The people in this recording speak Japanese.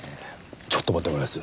ちょっと待ってもらえます？